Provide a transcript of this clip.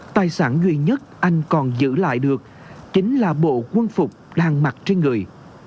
tài sản duy nhất anh còn giữ lại được chính là bộ quân phục đang mặc trên người